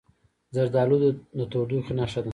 زردالو د تودوخې نښه ده.